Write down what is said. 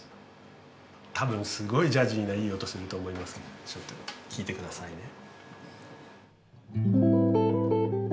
たぶんすごいジャジーないい音すると思いますけどちょっと聴いてくださいね。